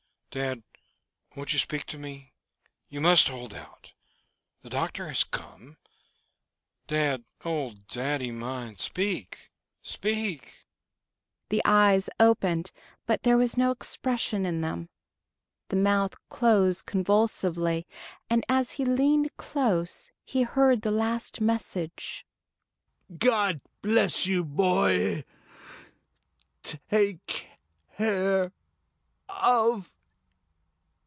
"Dad, dad! Won't you speak to me? You must hold out. The doctor has come. Dad, old daddie mine. Speak! Speak!" The eyes opened, but there was no expression in them. The mouth closed convulsively, and as he leaned close he heard the last message: "God bless you, boy!... Take ... care ... of